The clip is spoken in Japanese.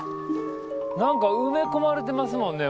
何か埋め込まれてますもんね。